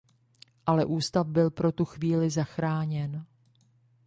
Ale ústav byl pro tu chvíli zachráněn.